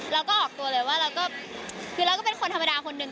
เราก็ออกตัวเลยเราก็เป็นคนธรรมดาคนหนึ่ง